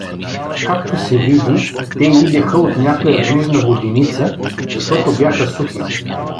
Както се види, те идеха от някоя ближна воденица, защото бяха сухи.